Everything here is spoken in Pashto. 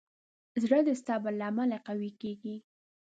زړه د صبر له امله قوي کېږي.